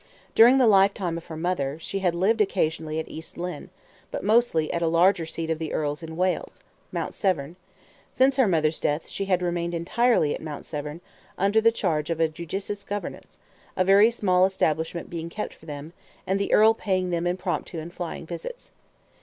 During the lifetime of her mother, she had lived occasionally at East Lynne, but mostly at a larger seat of the earl's in Wales, Mount Severn; since her mother's death, she had remained entirely at Mount Severn, under the charge of a judicious governess, a very small establishment being kept for them, and the earl paying them impromptu and flying visits.